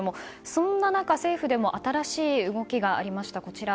そんな中、政府でも新しい動きがありました。